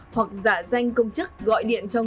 hoặc giả danh công chức gọi điện cho người